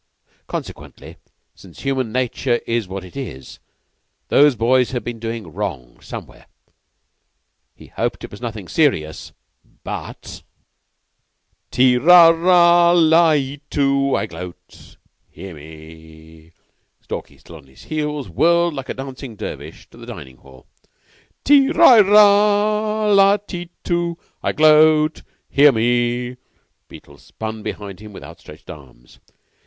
Consequently since human nature is what it is those boys had been doing wrong somewhere. He hoped it was nothing very serious, but... "Ti ra ra la i tu! I gloat! Hear me!" Stalky, still on his heels, whirled like a dancing dervish to the dining hall. "Ti ra la la i tu! I gloat! Hear me!" Beetle spun behind him with outstretched arms.